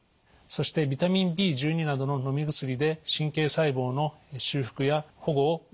そしてビタミンＢなどののみ薬で神経細胞の修復や保護を促します。